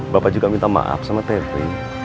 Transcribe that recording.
bapak juga minta maaf sama tevi